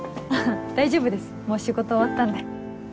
大丈夫ですもう仕事終わったんで。